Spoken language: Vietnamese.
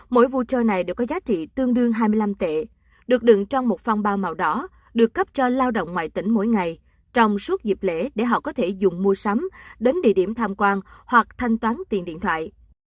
mỗi vui chơi này đều có giá trị tương đương hai mươi năm tệ được đựng trong một phong ba màu đỏ được cấp cho lao động ngoại tỉnh mỗi ngày trong suốt dịp lễ để họ có thể dùng mua sắm đến địa điểm tham quan hoặc thanh toán tiền điện thoại